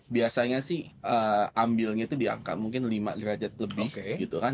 biasanya sih ambilnya itu diangkat mungkin lima derajat lebih gitu kan